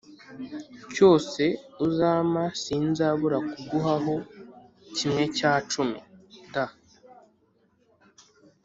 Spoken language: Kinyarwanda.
cyose uzampa sinzabura kuguhaho kimwe cya cumi d